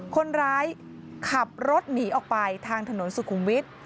คนร้ายขับรถหนีออกไปทางถนนสุขุมวิทย์